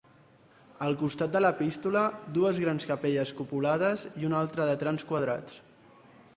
Al costat de l'epístola, dues grans capelles cupulades i una altra de trams quadrats.